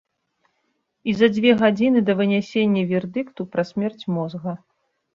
І за дзве гадзіны да вынясення вердыкту пра смерць мозга.